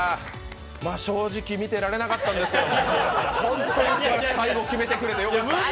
正直見てられなかったんですけど、最後決めてくれてよかった。